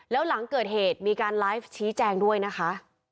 แล้วหลังเกิดเหตุมีการไลฟ์ชี้แจงด้วยนะคะ